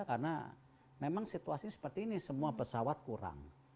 karena memang situasi seperti ini semua pesawat kurang